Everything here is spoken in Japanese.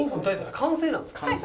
完成なんです。